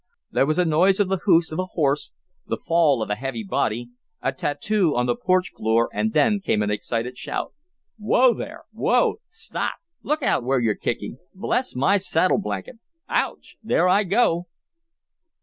There was a noise of the hoofs of a horse, the fall of a heavy body, a tattoo on the porch floor and then came an excited shout: "Whoa there! Whoa! Stop! Look out where you're kicking! Bless my saddle blanket! Ouch! There I go!"